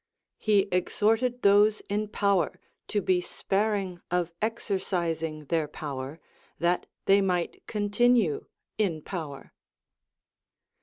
He exhorted those in power to be sparing of exercising their power, that they might continue in poAver.